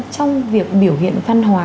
trong việc biểu hiện văn hóa